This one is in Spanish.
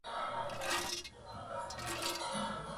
El juego usa ambas pantallas, al igual que las capacidades táctiles.